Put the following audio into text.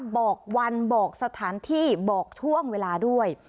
บอกวันบอกสถานที่บอกช่วงเวลาด้วย